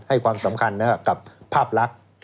ให้ความสำคัญกับภาพลักษณ์